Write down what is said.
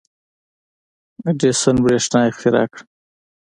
• اډیسن برېښنا اختراع کړه.